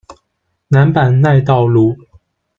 南阪奈道路。